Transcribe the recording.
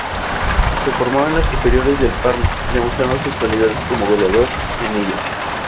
Se formó en las inferiores del Parma, demostrando sus cualidades como goleador en ellas.